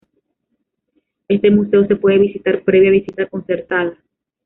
Este museo se puede visitar previa visita concertada.